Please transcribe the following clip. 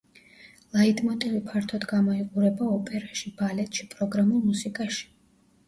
ლაიტმოტივი ფართოდ გამოიყურება ოპერაში, ბალეტში, პროგრამულ მუსიკაში.